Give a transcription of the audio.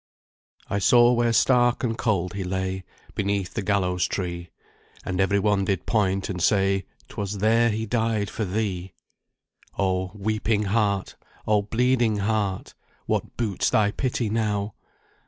"I saw where stark and cold he lay, Beneath the gallows tree, And every one did point and say, ''Twas there he died for thee!' "Oh! weeping heart! Oh, bleeding heart! What boots thy pity now?